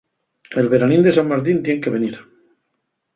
El veranín de San Martín tien que venir.